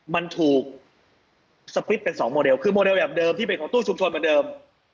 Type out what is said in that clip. มันถูกสปริตเป็น๒โมเดลคือโมเดลแบบเดิมที่เป็นของตู้ชุมชนเหมือนเดิม